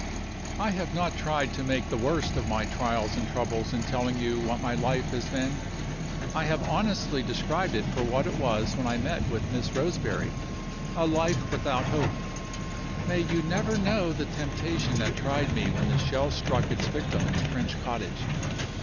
"I have not tried to make the worst of my trials and troubles in telling you what my life has been. I have honestly described it for what it was when I met with Miss Roseberry a life without hope. May you never know the temptation that tried me when the shell struck its victim in the French cottage!